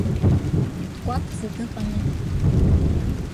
Дкәаԥӡа дыҟами.